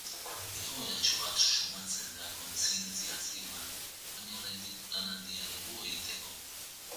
Igoeratxo bat sumatzen da kontzientziazioan, baina oraindik lan handia dugu egiteko.